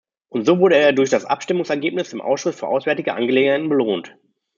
Und so wurde er durch das Abstimmungsergebnis im Ausschuss für auswärtige Angelegenheiten belohnt.